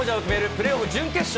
プレーオフ準決勝。